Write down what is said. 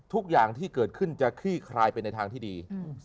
ทุกอย่างที่เกิดขึ้นจะคลี่คลายไปในทางที่ดี